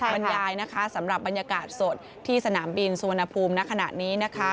บรรยายนะคะสำหรับบรรยากาศสดที่สนามบินสุวรรณภูมิณขณะนี้นะคะ